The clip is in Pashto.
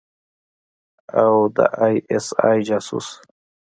او د آى اس آى جاسوس.